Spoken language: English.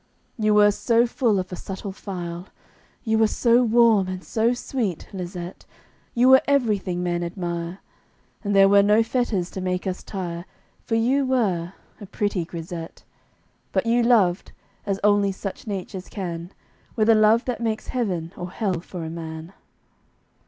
You were so full of a subtle file, You were so warm and so sweet, Lisette; You were everything men admire, And there were no fetters to make us tire, For you were a pretty grisette. But you loved, as only such natures can, With a love that makes heaven or hell for a man.